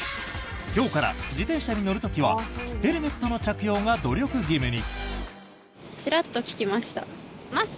今日から自転車に乗る時はへルメットの着用が努力義務に。